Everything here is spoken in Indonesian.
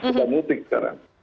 sudah mudik sekarang